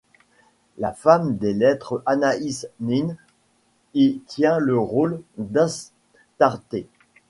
La femme de lettres Anaïs Nin y tient le rôle d'Astarté.